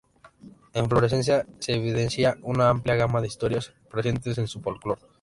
En Florencia se evidencia una amplia gama de historias presentes en su folclor.